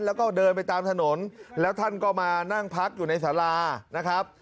แล้วก็เดินไปตามถนนแล้วท่านก็มานั่งพักอยู่ในสารานะครับ